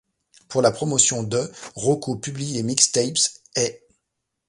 Pour la promotion de ', Rocko publie les mixtapes ' et '.